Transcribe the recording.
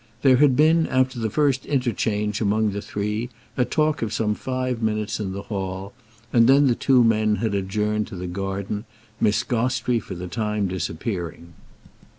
There had been after the first interchange among the three a talk of some five minutes in the hall, and then the two men had adjourned to the garden, Miss Gostrey for the time disappearing.